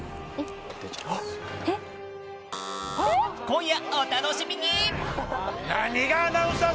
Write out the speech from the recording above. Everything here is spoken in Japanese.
今夜お楽しみに。